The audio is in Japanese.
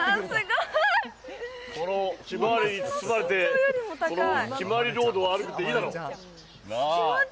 このひまわりに包まれて、このひまわりロードを歩くっていいだろ、なあ。